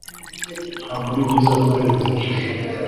ntabwo aribyiza kurenza ibi